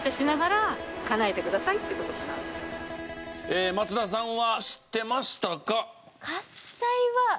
えー松田さんは知ってましたか？